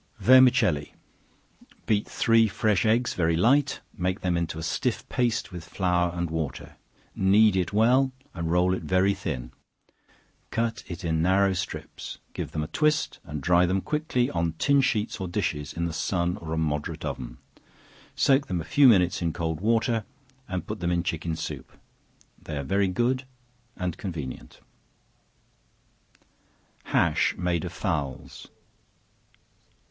Vermicelli. Beat three fresh eggs very light, make them into a stiff paste, with flour and water; knead it well, and roll it very thin, cut it in narrow strips, give them a twist, and dry them quickly, on tin sheets or dishes, in the sun or a moderate oven; soak them a few minutes in cold water, and put them in chicken soup. They are very good and convenient. Hash made of Fowls.